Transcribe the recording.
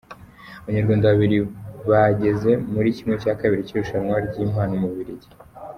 Abanyarwanda babiri bageze muri kimwe cya kabiri cy’irushanwa ryimpamo mububirigi